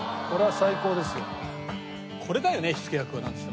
これは最高ですよ。